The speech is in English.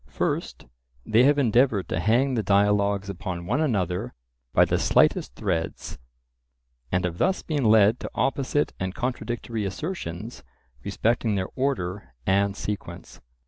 First, they have endeavoured to hang the dialogues upon one another by the slightest threads; and have thus been led to opposite and contradictory assertions respecting their order and sequence.